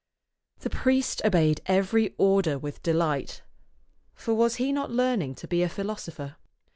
The priest obeyed every order with delight, for was he not learning to be a philosopher?